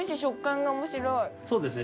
そうですね。